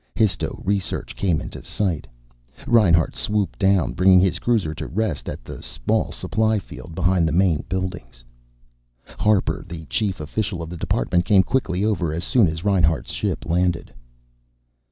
Histo research came into sight. Reinhart swooped down, bringing his cruiser to rest at the small supply field behind the main buildings. Harper, the chief official of the department, came quickly over as soon as Reinhart's ship landed.